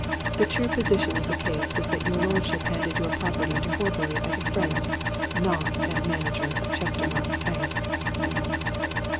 "The true position of the case is that your lordship handed your property to Horbury as a friend, not as manager of Chestermarke's Bank."